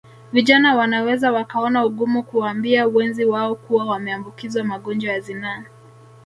Vijana wanaweza wakaona ugumu kuwaambia wenzi wao kuwa wameambukizwa magonjwa ya zinaa